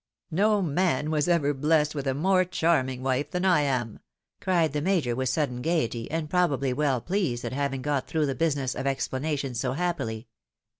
" No man was ever blessed with a more charming wife than I am !" cried the Major vrith sudden gaiety, and probably well pleased .at having got through the business of explanation so happily.